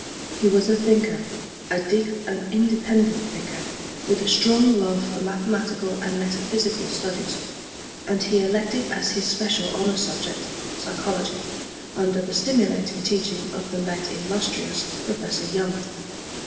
He was a thinker, a deep and independent thinker, with a strong love for mathematical and metaphysical studies, and he elected as his special honor subject, psychology, under the stimulating teaching of the late illustrious Professor Young.